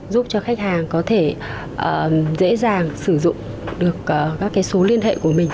giúp cho khách hàng có thể dễ dàng sử dụng được các số liên hệ của mình